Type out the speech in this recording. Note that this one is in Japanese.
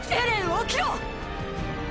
起きろ！